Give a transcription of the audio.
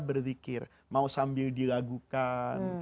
berzikir mau sambil dilagukan